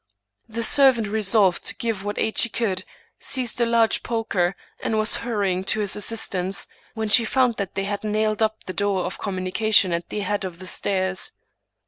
*' The servant resolved to give what aid she could, seized a large poker, and was harrying to his assistance, when she found that they had nailed up the door of communication at the head of the stairs.